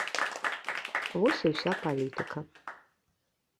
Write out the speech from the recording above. Вось і ўся палітыка.